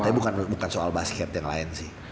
tapi bukan soal basket yang lain sih